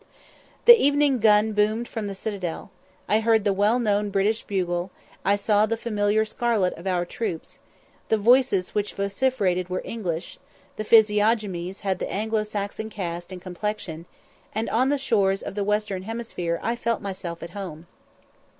The evening gun boomed from the citadel. I heard the well known British bugle; I saw the familiar scarlet of our troops; the voices which vociferated were English; the physiognomies had the Anglo Saxon cast and complexion; and on the shores of the western hemisphere I felt myself at home.